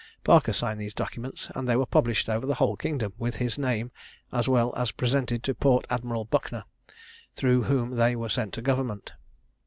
Parker signed these documents, and they were published over the whole kingdom with his name, as well as presented to Port admiral Buckner, through whom they were sent to government.